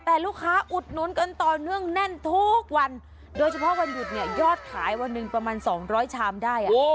แต่ลูกค้าอุดหนุนกันต่อเนื่องแน่นทุกวันโดยเฉพาะวันหยุดเนี่ยยอดขายวันหนึ่งประมาณสองร้อยชามได้